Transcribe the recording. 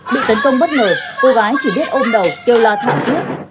bị tấn công bất ngờ cô gái chỉ biết ôm đầu kêu la thảm thiết